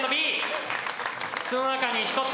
筒の中に１つ。